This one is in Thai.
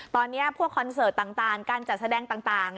ตอนนี้พวกคอนเสิร์ตต่างการจัดแสดงต่าง